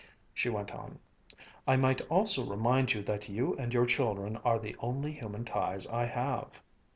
She went on, "I might also remind you that you and your children are the only human ties I have."